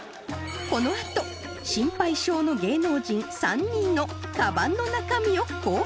このあと心配性の芸能人３人のカバンの中身を公開！